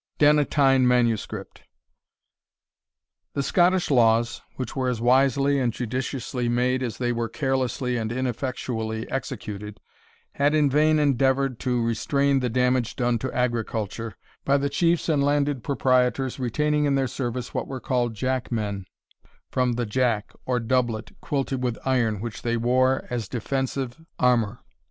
DANNATYNE MS. The Scottish laws, which were as wisely and judiciously made as they were carelessly and ineffectually executed, had in vain endeavoured to restrain the damage done to agriculture, by the chiefs and landed proprietors retaining in their service what were called jack men, from the jack, or doublet, quilted with iron which they wore as defensive armour.